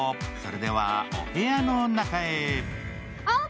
それではお部屋の中へ。